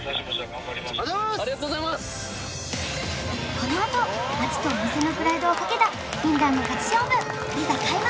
このあと街とお店のプライドをかけた禁断のガチ勝負いざ開幕！